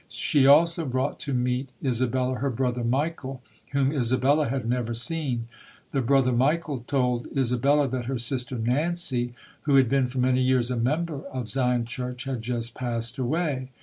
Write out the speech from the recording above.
She also brought to meet Isabella her brother Michael, whom Isabella had never seen. The brother Michael told Isabella that her sister Nancy, who had been for many years a member of Zion Church, had just passed away.